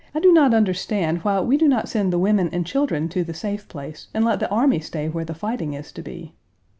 I do not understand why we do not send the women and children to the safe place and let the army stay where the fighting is to be.